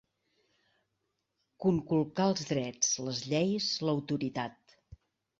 Conculcar els drets, les lleis, l'autoritat.